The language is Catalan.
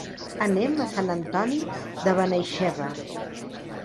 Anem a Sant Antoni de Benaixeve.